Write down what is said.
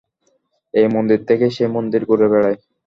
এই মন্দির থেকে সে মন্দির ঘুড়ে বেড়ায়।